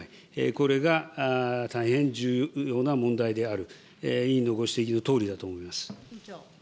これが大変重要な問題である、委員のご指摘のとおりだと思います。